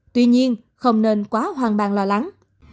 tuy nhiên không nên quá hoang bàng lo lắng